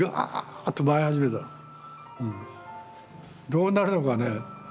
どうなるのかね